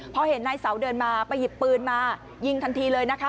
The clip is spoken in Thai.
พอเห็นนายเสาเดินมาไปหยิบปืนมายิงทันทีเลยนะคะ